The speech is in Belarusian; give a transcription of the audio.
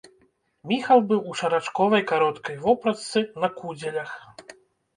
Міхал быў у шарачковай кароткай вопратцы на кудзелях.